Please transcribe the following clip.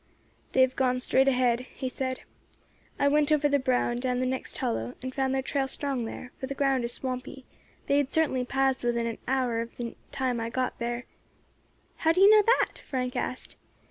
"They have gone straight ahead," he said. "I went over the brow, and down the next hollow, and found their trail strong there, for the ground is swampy; they had certainly passed within an hour of the time I got there." "How did you know that?" Frank asked.